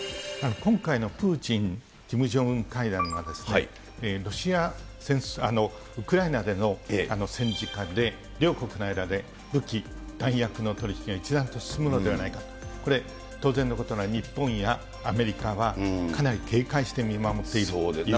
今回のプーチン、キム・ジョンウン会談はですね、ウクライナでの戦時下で、両国の間で武器弾薬の取り引きが一段と進むのではないかと、これ、当然のことながら、日本やアメリカはかなり警戒して見守っているということになりま